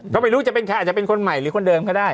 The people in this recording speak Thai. ก็ไม่รู้จะเป็นใครอาจจะเป็นคนใหม่หรือคนเดิมก็ได้